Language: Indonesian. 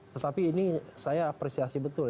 tetapi ini saya apresiasi betul